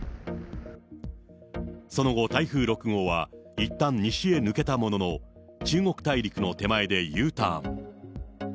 その後、台風６号はいったん西へ抜けたものの、中国大陸の手前でＵターン。